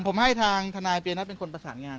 ผมให้ทางทนายปียนัทเป็นคนประสานงาน